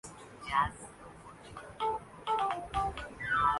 جب انقلاب کا بھوت سر پہ سوار تھا۔